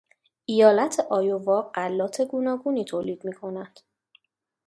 ایالت ایوا غلات گوناگونی تولید میکند.